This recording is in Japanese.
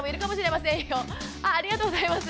ありがとうございます。